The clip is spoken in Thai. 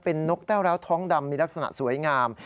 เป็นนกแต้วร้าวท้องดำมีลักษณะสวยงาม